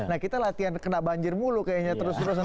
nah kita latihan kena banjir mulu kayaknya terus terusan